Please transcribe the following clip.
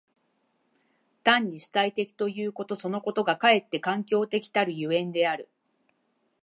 単に主体的ということそのことがかえって環境的たる所以である。